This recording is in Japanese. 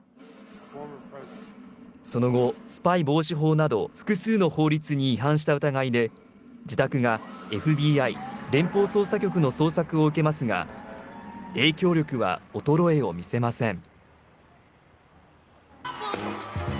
その後、スパイ防止法など複数の法律に違反した疑いで自宅がＦＢＩ・連邦捜査局の捜索を受けますが影響力は衰えを見せません。